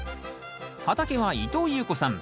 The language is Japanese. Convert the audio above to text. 畑は伊藤裕子さん